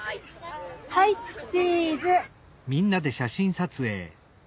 はいチーズ。